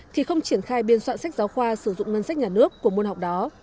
thì không triển khai biên soạn sách giáo khoa sử dụng ngân sách nhà nước của môn học đó